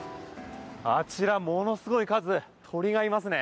あちら、ものすごい数鳥がいますね。